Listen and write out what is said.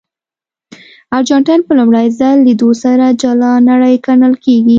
ارجنټاین په لومړي ځل لیدو سره جلا نړۍ ګڼل کېږي.